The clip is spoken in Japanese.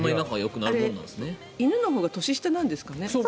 あれ、犬のほうが年下なんですかね。